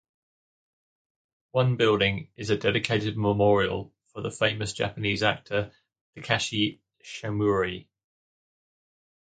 One building is a dedicated memorial for the famous Japanese actor, Takashi Shimura.